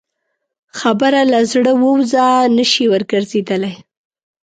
خبره له زړه ووځه، نه شې ورګرځېدلی.